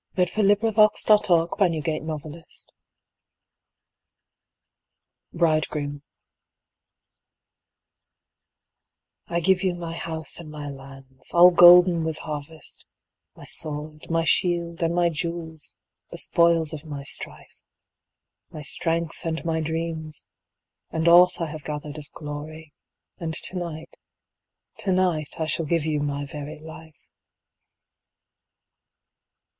20 Marriage Thoughts : by Morsellin Khan Bridegroom I give you my house and my lands, all golden with harvest ; My swford, my shield, and my jewels, the spoils of my strife. My strength and my dreams, and aught I have gathered of glory. And to night — to night, I shall give you my very life.